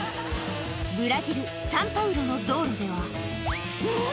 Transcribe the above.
ブラジル・サンパウロの道路では、うん？